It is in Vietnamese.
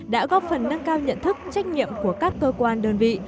đã góp phần nâng cao nhận thức trách nhiệm của các cơ quan đơn vị